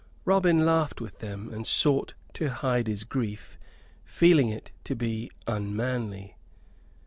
Robin laughed with them, and sought to hide his grief, feeling it to be unmanly.